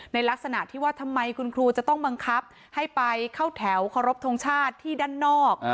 ลักษณะที่ว่าทำไมคุณครูจะต้องบังคับให้ไปเข้าแถวเคารพทงชาติที่ด้านนอก